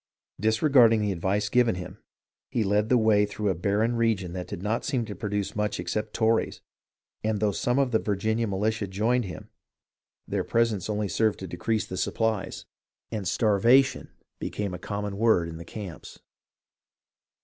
Disregarding the advice given him, he led the way through a barren region that did not seem to produce much except Tories, and, though some of the Virginia militia joined him, their presence only served to decrease the 328 HISTORY OF THE AMERICAN REVOLUTION supplies, and "starvation" became a common word in the camps.